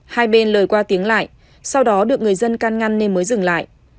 hai bên lời qua tiếng lại sau đó được người dân can ngăn nên mới dừng lại